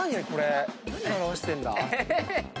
何表してんだ？